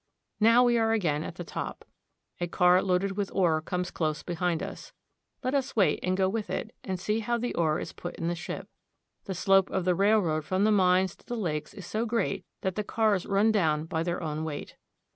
Now we are again at the top. A car loaded with ore comes close behind us. Let us wait and go with it, and see how the ore is put in the ship. The slope of the rail road from the mines to the lakes is so great that the cars run down by their own weight.